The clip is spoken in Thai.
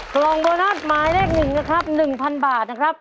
กล่องโบนัสหมายเลข๑นะครับ๑๐๐บาทนะครับ